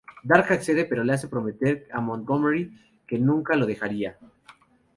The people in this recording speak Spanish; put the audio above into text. Dark accede pero le hace prometer a Montgomery que nunca lo dejaría.